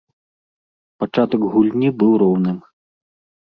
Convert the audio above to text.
Пачатак гульні быў роўным.